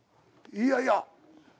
いやいや。